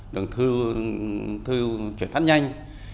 đường thư chuyển phát nhanh